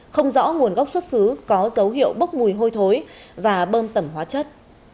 không rõ nguồn gốc xuất xứ có dấu hiệu bốc mùi hôi thối và bơm tẩm hóa chất